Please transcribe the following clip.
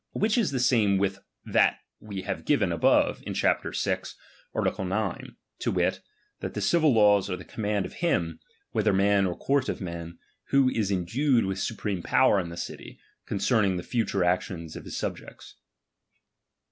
Which is the same with that we have given a."fcsove, in chap. vi. art. 9 : to wit, that the citil l*:x ws are the command of him, whether man or o ^:^urt of men, who is endued with supreme power f^^ the city, concerning the future actions of his sm^hjects.